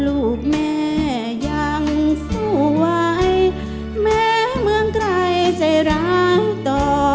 ลูกแม่ยังสู้ไว้แม้เมืองไกลใจร้ายต่อ